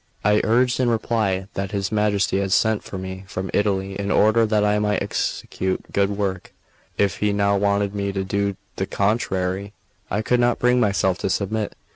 I urged in reply that his Majesty had sent for me from Italy in order that I might execute good work; if he now wanted me to do the contrary, I could not bring myself to submit.